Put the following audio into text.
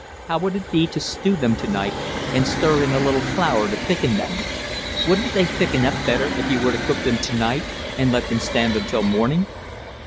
How would it be to stew them to night, and stir in a little flour to thicken them? Wouldn't they thicken up better if you were to cook them to night and let them stand until morning?"